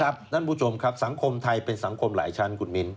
ท่านผู้ชมครับสังคมไทยเป็นสังคมหลายชั้นคุณมิ้น